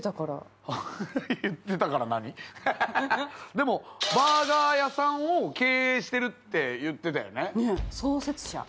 でもバーガー屋さんを経営してるって言ってたよね？